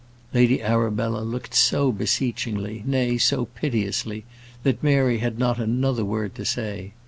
Lady Arabella looked so beseechingly, nay, so piteously, that Mary had not another word to say.